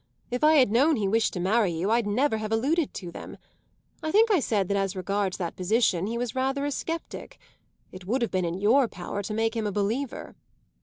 If I had known he wished to marry you I'd never have alluded to them. I think I said that as regards that position he was rather a sceptic. It would have been in your power to make him a believer."